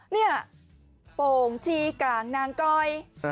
นี่โป่งชีกลางนางก้อย